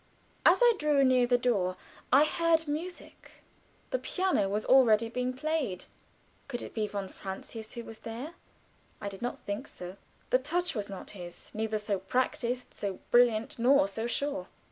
As I drew near the door I heard music; the piano was already being played. Could it be von Francius who was there? I did not think so. The touch was not his neither so practiced, so brilliant, nor so sure.